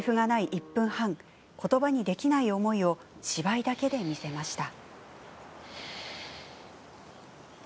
１分半言葉にできない思いを芝居だけで見せました。